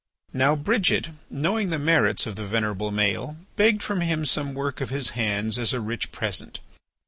Now Bridget, knowing the merits of the venerable Maël, begged from him some work of his hands as a rich present.